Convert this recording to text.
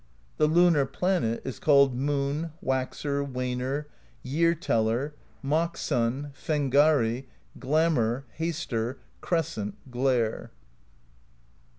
The lunar planet is called Moon, Waxer, Waner, Year Teller, Mock Sun, Fengari,^ Glamour, Haster, Crescent, Glare.